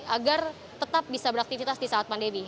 agar tetap bisa beraktivitas di saat pandemi